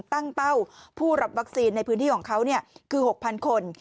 ตั้งเป้าผู้รับวัคซีนในพื้นที่ของเขาคือ๖๐๐คน